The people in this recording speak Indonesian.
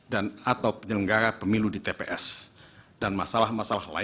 dan atau penyelenggara pemilu di tps